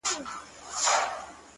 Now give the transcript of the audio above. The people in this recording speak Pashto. • معلومیږي د بخت ستوری دي ختلی ,